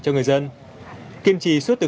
cho người dân kiêm trì suốt từ